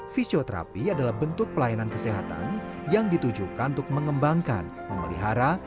fisioterapi adalah bentuk pelayanan kesehatan yang ditujukan untuk mengembangkan memelihara